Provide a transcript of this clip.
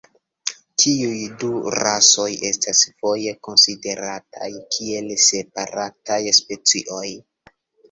Tiuj du rasoj estas foje konsiderataj kiel separataj specioj.